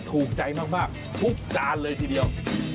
ถูกใจมากทุกจานเลยทีเดียว